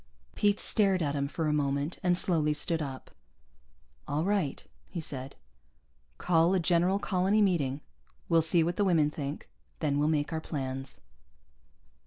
Pete stared at him for a moment and slowly stood up. "All right," he said. "Call a general colony meeting. We'll see what the women think. Then we'll make our plans."